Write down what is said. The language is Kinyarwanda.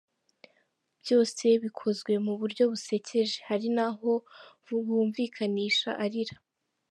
Byose bikozwe mu buryo busekeje, hari n’aho bumvikanisha arira.